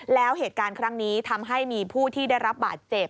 แล้วเหตุการณ์ครั้งนี้ทำให้มีผู้ที่ได้รับบาดเจ็บ